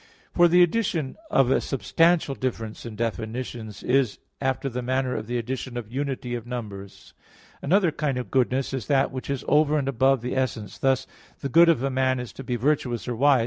For the addition of a substantial difference in definitions is after the manner of the addition of unity of numbers (Metaph. viii, 10). Another kind of goodness is that which is over and above the essence; thus, the good of a man is to be virtuous or wise.